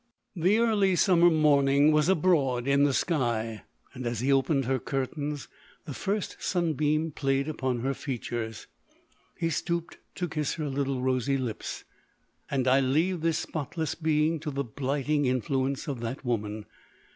The early summer morning was abroad in the sky ; and as he opened her curtains, the first sun beam played upon her features. He stooped to kiss her little rosy lips :—" And I leave this spotless being to the blighting influence of that woman